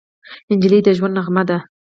نجلۍ د ژوند نغمه ده.